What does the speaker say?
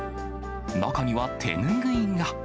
中には手拭いが。